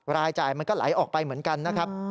รายจ่ายมันก็ไหลออกไปเหมือนกันนะครับ